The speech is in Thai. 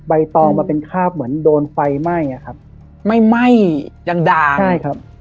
ตองมันเป็นคราบเหมือนโดนไฟไหม้อะครับไม่ไหม้ยังด่าใช่ครับ